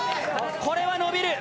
これはのびる。